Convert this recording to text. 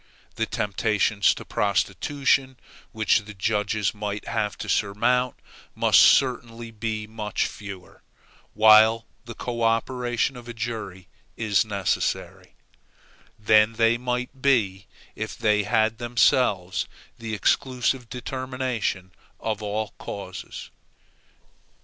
The temptations to prostitution which the judges might have to surmount, must certainly be much fewer, while the co operation of a jury is necessary, than they might be, if they had themselves the exclusive determination of all causes.